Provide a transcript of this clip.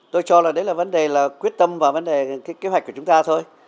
tôi cho là đấy là vấn đề là quyết tâm và vấn đề kế hoạch của chúng ta thôi